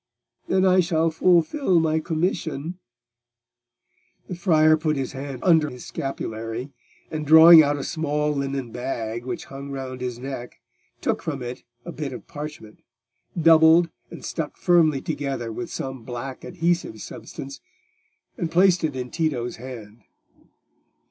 "Then I shall fulfil my commission." The friar put his hand under his scapulary, and drawing out a small linen bag which hung round his neck, took from it a bit of parchment, doubled and stuck firmly together with some black adhesive substance, and placed it in Tito's hand.